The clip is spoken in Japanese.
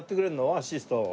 アシスト。